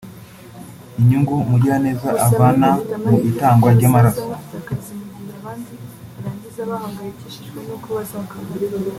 Inyungu umugiraneza avana mu itangwa ry’amaraso